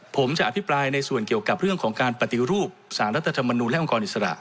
ผมจะอภิปรายในส่วนเกี่ยวกับเรื่องของการปฏิรูปสารรัฐธรรมนูลและองครอิสระ